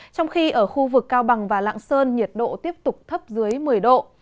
trong khi ở khu vực cao bằng và lạng sơn nhiệt độ tiếp tục thấp dưới một mươi độ